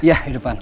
iya iya depan